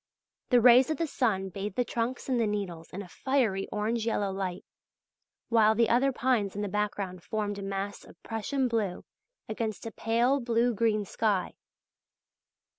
The rays of the sun bathed the trunks and the needles in a fiery orange yellow light, while the other pines in the background formed a mass of Prussian blue against a pale blue green sky.